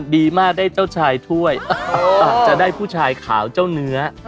ดีมากได้เจ้าชายถ้วยอาจจะได้ผู้ชายขาวเจ้าเนื้อ